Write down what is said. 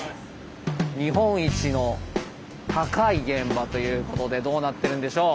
日本一の高い現場ということでどうなってるんでしょう。